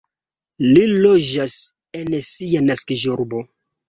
Li loĝas en sia naskiĝurbo.